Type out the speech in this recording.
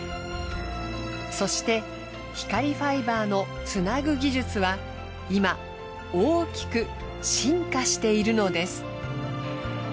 そして光ファイバーのつなぐ技術は今大きく進化しているのです。